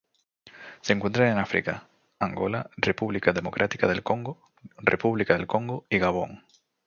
Se encuentran en África: Angola, República Democrática del Congo, República del Congo y Gabón.